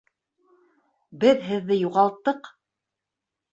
Беҙ һеҙҙе юғалттыҡ!